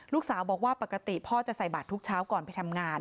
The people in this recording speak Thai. ลูกสาวบอกว่าปกติพ่อจะใส่บาททุกเช้าก่อนไปทำงาน